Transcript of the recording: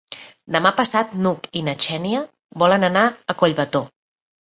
Demà passat n'Hug i na Xènia volen anar a Collbató.